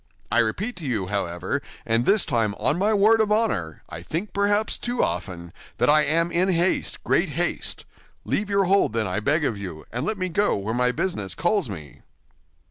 I repeat to you, however, and this time on my word of honor—I think perhaps too often—that I am in haste, great haste. Leave your hold, then, I beg of you, and let me go where my business calls me."